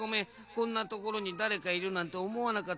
こんなところにだれかいるなんておもわなかったんだ。